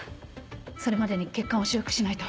それまでに血管を修復しないと。